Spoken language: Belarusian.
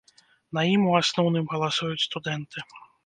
На ім у асноўным галасуюць студэнты.